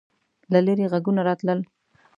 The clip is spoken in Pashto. له لیرې غږونه راتلل.